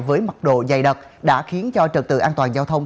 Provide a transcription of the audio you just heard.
với mặt độ dày đật đã khiến trật tự an toàn giao thông